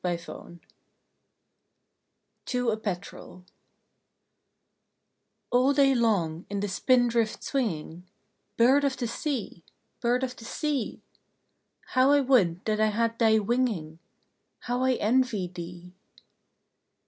IN A STORM (To a Petrel) All day long in the spindrift swinging, Bird of the sea! bird of the sea! How I would that I had thy winging How I envy thee!